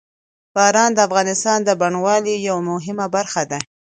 باران د افغانستان د بڼوالۍ یوه مهمه برخه ده.